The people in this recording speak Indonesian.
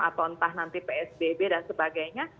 atau entah nanti psbb dan sebagainya